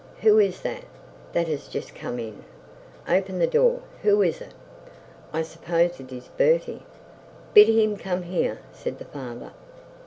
'Who is that that has just come in? Open the door. Who is it?' 'I suppose it is Bertie.' 'Bid him to come here,' said the father.